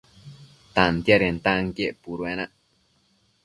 Tantiadentanquien puduenac